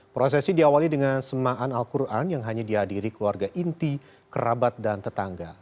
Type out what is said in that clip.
prosesi diawali dengan semaan al quran yang hanya dihadiri keluarga inti kerabat dan tetangga